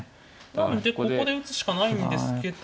なんでここで打つしかないんですけど。